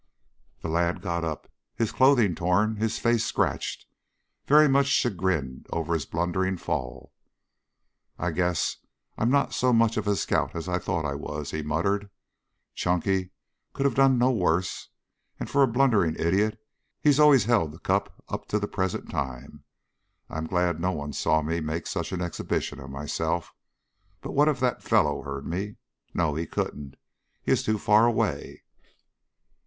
The lad got up, his clothing torn, his face scratched, very much chagrined over his blundering fall. "I guess I'm not so much of a scout as I thought I was," he muttered. "Chunky could have done no worse and for a blundering idiot he's always held the cup up to the present time. I'm glad no one saw me make such an exhibition of myself. But what if that fellow heard me? No, he couldn't. He is too far away."